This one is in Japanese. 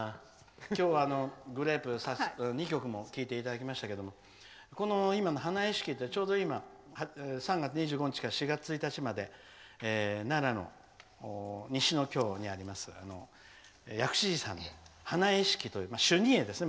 今日はグレープの曲を２曲も聴いていただきましたが今の「花会式」って３月２５日から４月１日まで、奈良の西ノ京にあります、薬師寺さんで花会式という修二会ですね。